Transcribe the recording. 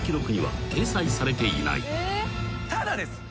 ただです。